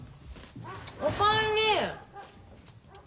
お帰り。